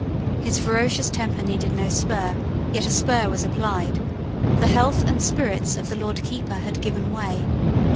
His ferocious temper needed no spur; yet a spur was applied. The health and spirits of the Lord Keeper had given way.